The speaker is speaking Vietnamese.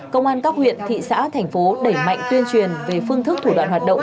công an các huyện thị xã thành phố đẩy mạnh tuyên truyền về phương thức thủ đoạn hoạt động